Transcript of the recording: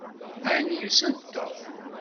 Ɛni yusa-d Tom?